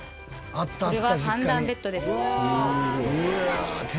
これは３段ベッドです。